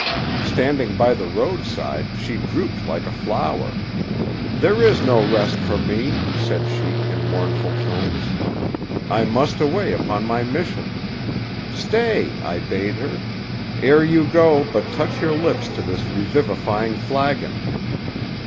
Standing by the roadside, she drooped like a flower. 'There is no rest for me,' said she in mournful tones. 'I must away upon my mission.' 'Stay!' I bade her. 'Ere you go, but touch your lips to this revivifying flagon.